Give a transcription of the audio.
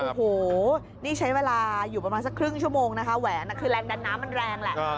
โอ้โหนี่ใช้เวลาอยู่ประมาณสักครึ่งชั่วโมงนะคะแหวนคือแรงดันน้ำมันแรงแหละ